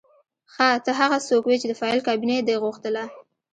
ښه ته هغه څوک وې چې د فایل کابینه دې غوښتله